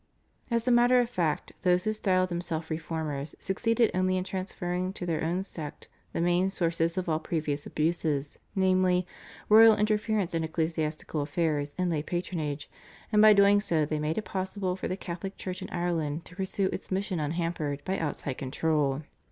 As a matter of fact those who styled themselves Reformers succeeded only in transferring to their own sect the main sources of all previous abuses, namely, royal interference in ecclesiastical affairs and lay patronage, and by doing so they made it possible for the Catholic Church in Ireland to pursue its mission unhampered by outside control.